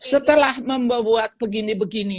setelah membuat begini beginian